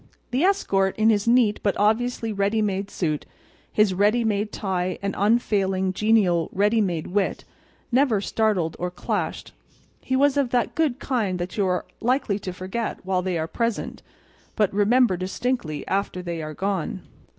The escort, in his neat but obviously ready made suit, his ready made tie and unfailing, genial, ready made wit never startled or clashed. He was of that good kind that you are likely to forget while they are present, but remember distinctly after they are gone.